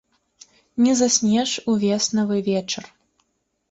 Не заснеш у веснавы вечар.